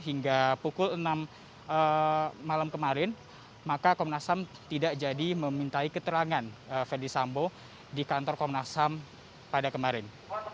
hingga pukul enam malam kemarin maka komnas ham tidak jadi memintai keterangan ferdisambo di kantor komnas ham pada kemarin